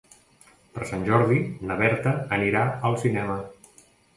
Per Sant Jordi na Berta anirà al cinema.